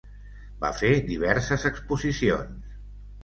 Va fer diverses exposicions.